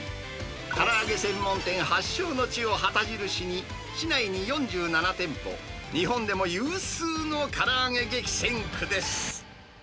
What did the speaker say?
から揚げ専門店発祥の地を旗印に、市内に４７店舗、日本でも有数のから揚げ激戦区です。